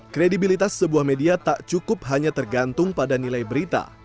kredibilitas sebuah media tak cukup hanya tergantung pada nilai berita